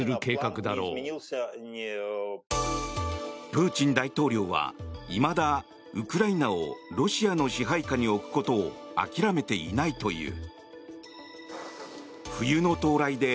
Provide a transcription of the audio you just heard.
プーチン大統領はいまだウクライナをロシアの支配下に置くことを諦めていないという。